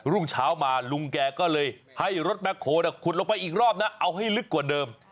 รุ่งเช้ามาลุงแกก็เลยให้รถแคลขุดลงไปอีกรอบนะเอาให้ลึกกว่าเดิม